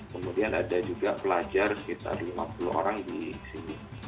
kemudian ada juga pelajar sekitar lima puluh orang di sini